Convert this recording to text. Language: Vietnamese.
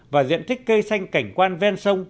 và diện tích cây xanh cảnh quan ven sông